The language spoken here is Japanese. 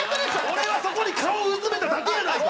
俺はそこに顔をうずめただけやないか！